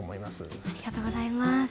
ありがとうございます。